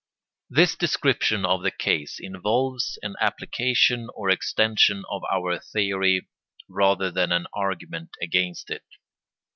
] This description of the case involves an application or extension of our theory rather than an argument against it.